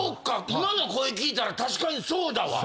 今の声聞いたら確かにそうだわ！